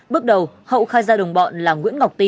bước đầu hậu khai ra đồng bọn là nguyễn ngọc ti